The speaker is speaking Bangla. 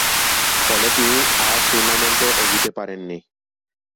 ফলে তিনি আর টুর্নামেন্টে এগোতে পারেননি।